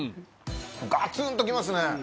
ガツンときますね